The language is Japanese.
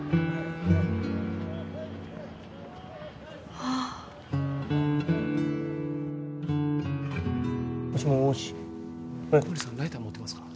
ああもしもし小森さんライター持ってますか？